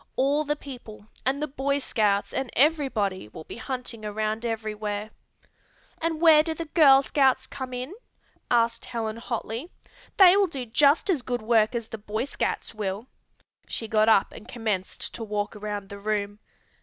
All the people, and the Boy Scouts and everybody will be hunting around everywhere." "And where do the Girl Scouts come in?" asked Helen hotly. "They will do just as good work as the Boy Scouts will." She got up and commenced to walk around the room.